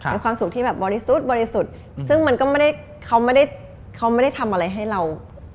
เป็นความสุขที่บริสุทธิ์ซึ่งเขาไม่ได้ทำอะไรให้เรา